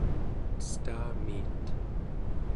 cetamiit